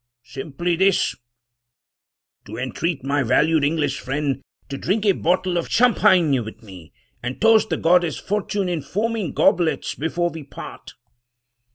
Simply this: to entreat my valued English friend to drink a bottle of Champagne with me, and toast the goddess Fortune in foaming goblets before we part!"